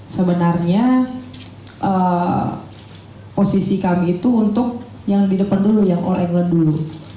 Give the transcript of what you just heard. sebenarnya posisi kami itu untuk yang di depan dulu yang all england dulu